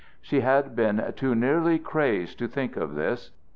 She had been too nearly crazed to think of this.